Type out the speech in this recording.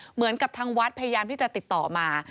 เหมือนกับทางวัดพยายามที่จะติดต่อมา